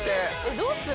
どうする？